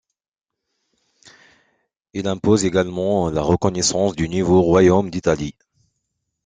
Il impose également la reconnaissance du nouveau royaume d'Italie.